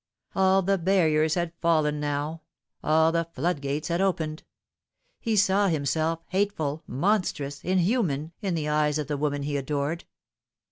All the barriers had fallen now ; all the floodgates had opened. He saw himself hateful, monstrous, inhuman, in the eyes of the woman he adored.